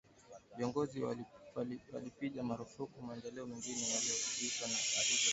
Viongozi walipiga marufuku maandamano mengine yaliyoitishwa na upinzani siku ya Jumatano